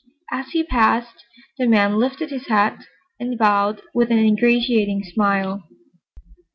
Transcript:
As he passed, the man lifted his hat and bowed with an ingratiating smile.